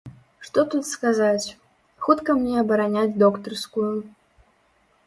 Што тут сказаць, хутка мне абараняць доктарскую.